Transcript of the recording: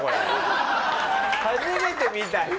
初めて見た。